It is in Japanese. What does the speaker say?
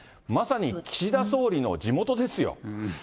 まさに、岸田総理の地元ですよ。